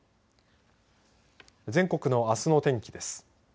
全国のあすの天気です。